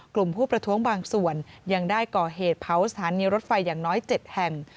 ผู้ประท้วงบางส่วนยังได้ก่อเหตุเผาสถานีรถไฟอย่างน้อย๗แห่ง